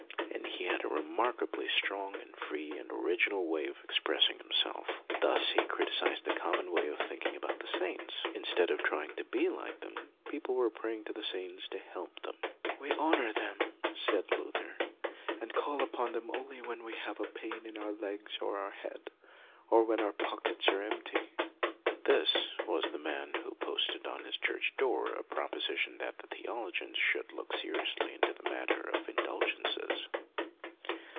And he had a remarkably strong and free and original way of expressing himself. Thus he criticised the common way of thinking about the saints. In stead of trying to be like them, people were praying to the saints to help them. " We honor them," said Luther, " and call upon them only when we have a pain in our legs or our head, or when our pockets are empty." This was the man who posted on his LUTHER ii church door a proposition that the theo logians should look seriously into the mat ter of indulgences.